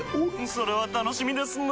それは楽しみですなぁ。